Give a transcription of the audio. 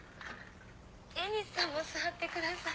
エニシさんも座ってください。